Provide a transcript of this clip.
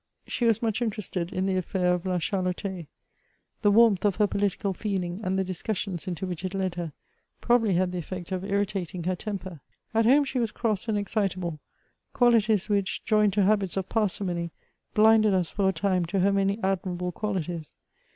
She was much interested in the affidr of La Chalotais. The warmth of her political feelii^, and the discussions into which it led her, probably had the effect of irritating her temper. At home she was cross and excitable, qualities which, joined to habits of parsimony, blinded us for a time to her many admirable qualities.